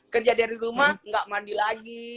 kerja dari rumah nggak mandi lagi